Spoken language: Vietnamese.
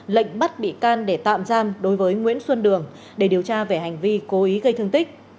lệnh bắt bị can để tạm giam đối với nguyễn xuân đường để điều tra về hành vi cố ý gây thương tích